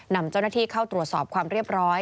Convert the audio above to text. นำเจ้าหน้าที่เข้าตรวจสอบความเรียบร้อย